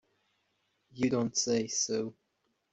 You don't say so!